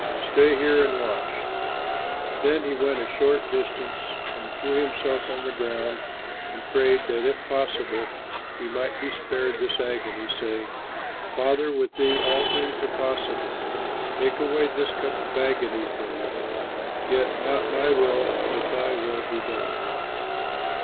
Stay here and watch." Then he went forward a short distance and threw himself on the ground and prayed that if possible he might be spared this agony, saying, "Father, with thee all things are possible. Take away this cup of agony from me. Yet not my will, but thy will be done."